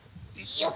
よっ！